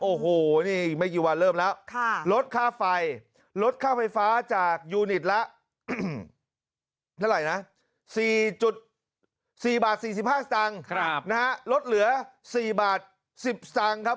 โอ้โหนี่ไม่กี่วันเริ่มแล้วลดค่าไฟลดค่าไฟฟ้าจากยูนิตละ๔๔๕บาทลดเหลือ๔บาท๑๐บาทครับ